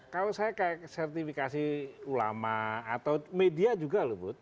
kalau saya kayak sertifikasi ulama atau media juga loh bud